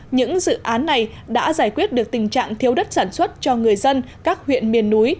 những dự án này đã giải quyết được tình trạng thiếu đất sản xuất cho người dân các huyện miền núi